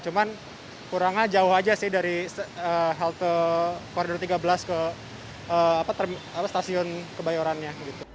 cuman kurangnya jauh aja sih dari halte koridor tiga belas ke stasiun kebayorannya